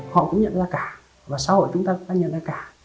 họ cũng nhận ra cả và xã hội chúng ta đã nhận ra cả